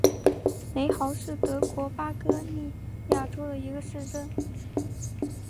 雷豪是德国巴伐利亚州的一个市镇。